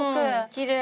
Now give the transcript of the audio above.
きれい。